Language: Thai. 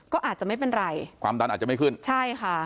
ก็อาจจะไม่เป็นไรความดันอาจจะไม่ขึ้นใช่ค่ะ